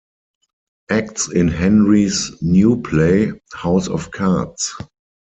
Acts in Henry's new play, "House of Cards".